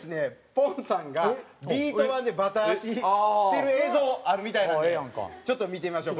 ポンさんがビート板でバタ足してる映像あるみたいなんでちょっと見てみましょう。